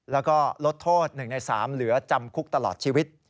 แล้วก็ลดโทษ๑ใน๓เหลือจำคุกตลอดชีวิต